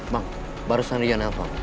bang barusan rio nelfon